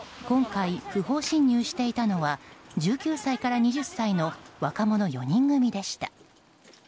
今回、不法侵入していたのは１９歳から２０歳の若者４人組でした。